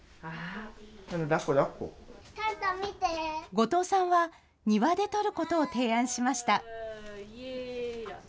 後藤さんは庭で撮ることを提案しました。